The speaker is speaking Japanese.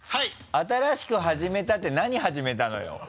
新しく始めたって何始めたのよ。